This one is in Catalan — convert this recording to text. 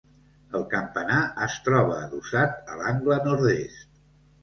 El campanar es troba adossat a l'angle nord-est.